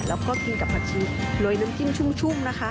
แล้วก็กินกับผักชีโรยน้ำจิ้มชุ่มนะคะ